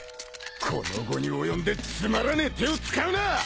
この期に及んでつまらねえ手を使うな！